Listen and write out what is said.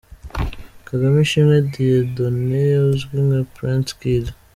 Kagame Ishimwe Dieudonne uzwi nka Prince Kid.